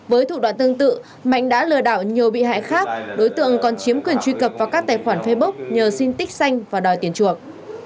với thủ đoạn tương tự mạnh đã lừa đảo nhiều bị hại khác đối tượng còn chiếm quyền truy cập vào các tài khoản facebook nhờ xin tích xanh và đòi tiền chuộc